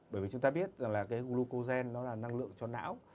bởi vì chúng ta biết rằng là cái glucogen nó là năng lượng cho não